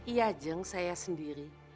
iya jeng saya sendiri